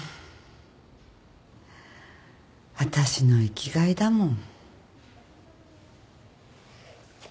私の生きがいだもん。